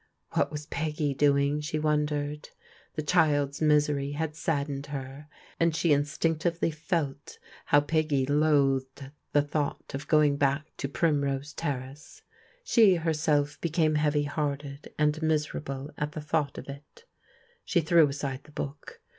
What was Peggy doing? she wondered. The child's misery had saddened her, and she instinc tively felt how Peggy loathed the thought of going back to Primrose Terrace. She herself became heavy hearted and miserable at the thought of it. She threw aside the book.